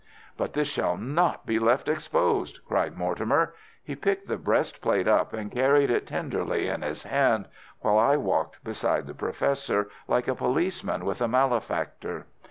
"But this shall not be left exposed!" cried Mortimer. He picked the breastplate up and carried it tenderly in his hand, while I walked beside the Professor, like a policeman with a malefactor.